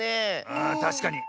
あたしかに。